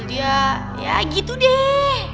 dia ya gitu deh